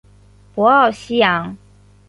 博奥西扬。